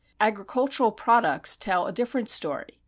Agricultural products tell a different story.